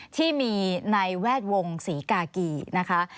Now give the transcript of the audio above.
ที่มีในแวดวงศรีกากีนะคะ